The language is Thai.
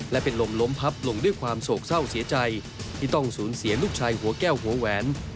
และเป็นลมล้มพับลงด้วยความโศกเศร้าเสียใจที่ต้องสูญเสียลูกชายหัวแก้วหัวแหวน